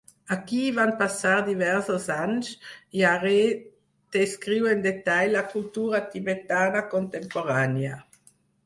Aquí hi van passar diversos anys, i Harrer descriu en detall la cultura tibetana contemporània.